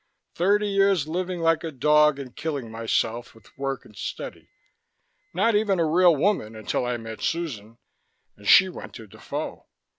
Thirty years living like a dog and killing myself with work and study. Not even a real woman until I met Susan, and she went to Defoe.